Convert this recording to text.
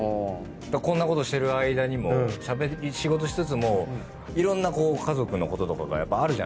こんなことしてる間にも仕事しつつもいろんなこう家族のこととかがやっぱ。